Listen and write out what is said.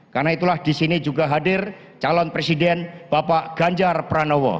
karena itulah disini juga hadir calon presiden bapak ganjar pranowo